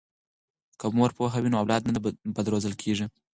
که مور پوهه وي نو اولاد نه بد روزل کیږي.